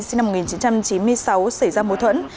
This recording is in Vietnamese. sinh năm một nghìn chín trăm chín mươi sáu xảy ra mối thuẫn